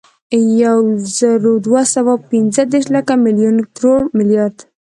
یوزرودوهسوه اوپنځهدېرش، لک، ملیون، کروړ، ملیارد